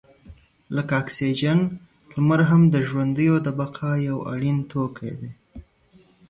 لکه اکسیجن، لمر هم د ژوندیو د بقا یو اړین توکی دی.